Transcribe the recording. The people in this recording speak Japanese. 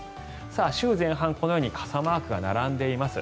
週前半、このように傘マークが並んでいます。